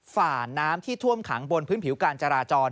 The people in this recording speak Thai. ฝ่าน้ำที่ท่วมขังบนพื้นผิวการจราจร